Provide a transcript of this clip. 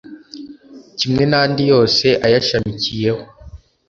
kimwe n’andi yose ayashamikiyeho